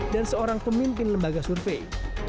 dan seorang pemimpin lembaga survei